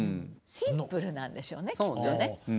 シンプルなんでしょうねきっとね。